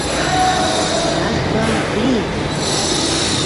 - Раз, два, пли!